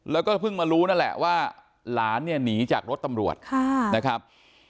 แล้วก็เพิ่งมารู้นั่นแหละว่าหลานเนี่ยหนีจากรถตำรวจนะครับ